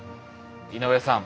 井上さん